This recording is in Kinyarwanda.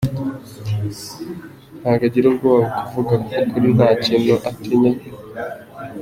Ntabwo agira ubwoba bwo kuvuga ukuri nta kintu atinya cy’ingaruka zamubaho.